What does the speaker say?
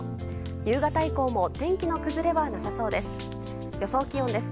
夕方以降も天気の崩れはなさそうです。